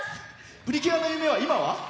プリキュアの夢、今は？